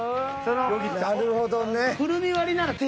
なるほどね。